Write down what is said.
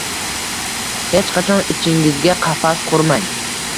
Hech qachon ichingizga qafas qurmang